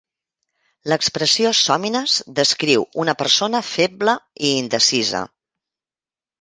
L'expressió "sòmines" descriu una persona feble i indecisa.